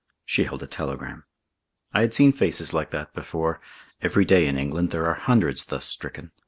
She held a telegram. I had seen faces like that before. Every day in England there are hundreds thus stricken.